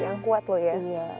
yang kuat loh ya